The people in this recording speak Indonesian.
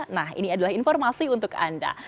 nah ini adalah informasi untuk anda